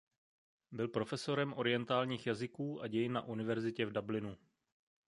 Byl profesorem orientálních jazyků a dějin na univerzitě v Dublinu.